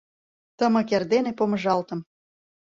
Тымык эрдене Помыжалтым.